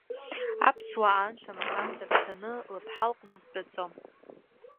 Аԥсуа ан, шамахамзар дцаны лыԥҳа лҟны дтәаӡом.